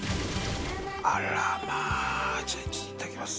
あらまあじゃあいただきます。